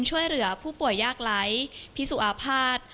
ช่วยเหลือผู้ป่วยยากไร้พิสุอาภาษณ์